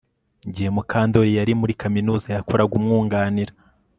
Igihe Mukandoli yari muri kaminuza yakoraga umwunganira